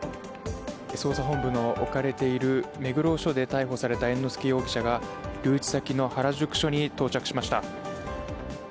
捜査本部の置かれている目黒署で逮捕された猿之助容疑者が留置先の原宿署に到着しました。